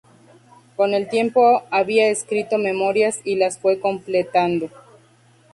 Con el tiempo había escrito memorias y las fue completando.